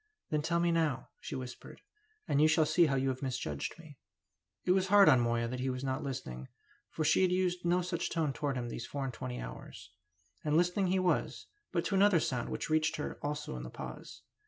"Then tell me now," she whispered. "And you shall see how you have misjudged me." It was hard on Moya that he was not listening, for she had used no such tone towards him these four and twenty hours. And listening he was, but to another sound which reached her also in the pause.